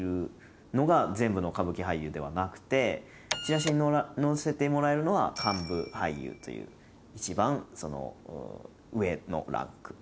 チラシに載せてもらえるのは幹部俳優という一番上のランク。